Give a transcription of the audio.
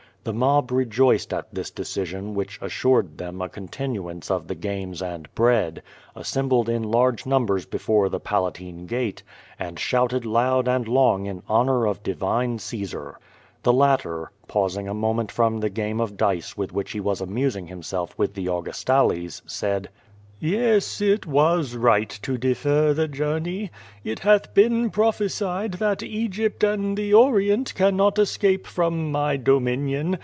The mob rejoiced at this decision which assured them a continuance of the games and bread, assembled in large numbers before the Palatine gate, and shouted loud and long in honor of divine Caesar. The latter, pausing a moment from the game of dice with which he was amusing himself with the Augustales, said: "Yes, it was right to defer the journey. It hath been prophesied that Egypt and the Orient cannot escape from my dominion.